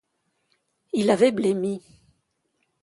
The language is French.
Il avait blêmi.